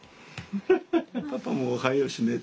パパもおはようしねえと。